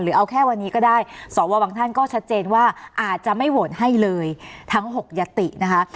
เอาแค่วันนี้ก็ได้สวบางท่านก็ชัดเจนว่าอาจจะไม่โหวตให้เลยทั้ง๖ยตินะคะ